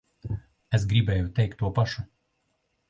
Es gribēju teikt to pašu.